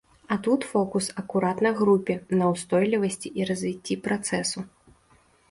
А тут фокус акурат на групе, на ўстойлівасці і развіцці працэсу.